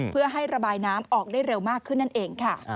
เพื่อให้ระบายน้ำออกได้เร็วมากขึ้นนั่นเองค่ะ